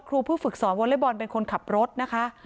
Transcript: ผู้ฝึกสอนวอเล็กบอลเป็นคนขับรถนะคะ